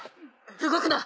動くな！